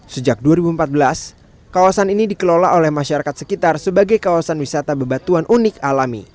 sejak dua ribu empat belas kawasan ini dikelola oleh masyarakat sekitar sebagai kawasan wisata bebatuan unik alami